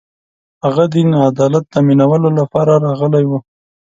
هغه دین عدالت تأمینولو لپاره راغلی و